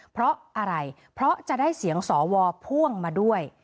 เพราะอะไรเพราะจะได้เสียงสวพ่วงมาด้วย